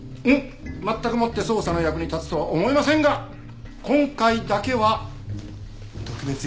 全くもって捜査の役に立つとは思えませんが今回だけは特別よ。